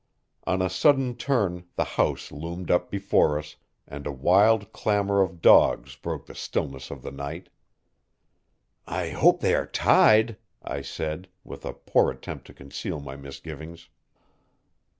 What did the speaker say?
On a sudden turn the house loomed up before us, and a wild clamor of dogs broke the stillness of the night. "I hope they are tied," I said, with a poor attempt to conceal my misgivings.